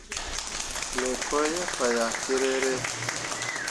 Me ko ye faa yah firere.